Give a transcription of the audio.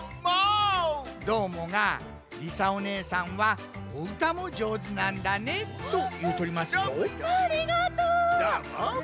どーもが「りさおねえさんはおうたもじょうずなんだね」というとりますぞ。